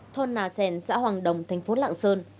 thôn nà xèn xã hoàng đồng thành phố lạng sơn